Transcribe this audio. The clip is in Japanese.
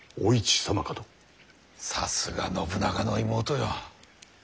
さすが信長の妹よ。